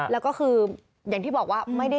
แล้วก็คืออย่างที่บอกว่า